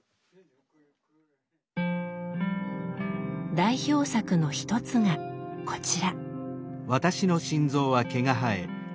代表作の一つがこちら。